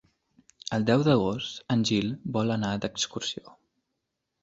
El deu d'agost en Gil vol anar d'excursió.